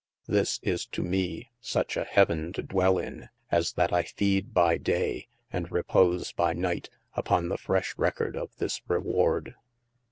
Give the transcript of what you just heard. This is to me suche a heaven to dwell in, as that I feede by day, and repose by night uppon the.freshe recorde of this reward.